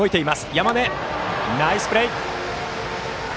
山根、ナイスプレー！